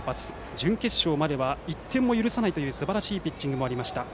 準決勝までは１点も許さないすばらしいピッチングもありました。